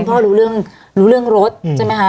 เพราะคุณพ่อรู้เรื่องรถใช่ไหมคะ